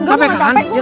gue gak capek